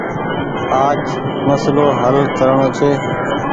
آج مسلو هل ڪرڻو ڇي۔